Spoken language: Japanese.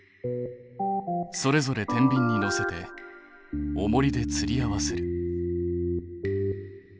それぞれてんびんにのせておもりでつりあわせる。